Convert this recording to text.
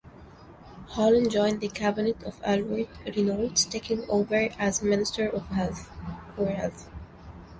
Howlin joined the cabinet of Albert Reynolds, taking over as Minister for Health.